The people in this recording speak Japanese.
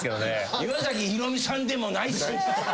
岩崎宏美さんでもないし。